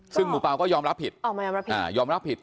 ซึ่งหมู่เป่าก็ยอมรับผิด